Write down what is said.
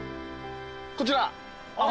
こちら。